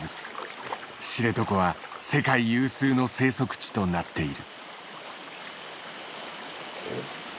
知床は世界有数の生息地となっている。